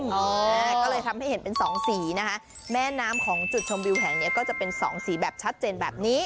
ก็เลยทำให้เห็นเป็นสองสีนะคะแม่น้ำของจุดชมวิวแห่งเนี้ยก็จะเป็นสองสีแบบชัดเจนแบบนี้